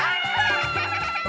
アハハハ！